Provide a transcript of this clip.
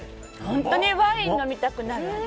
本当にワイン飲みたくなる。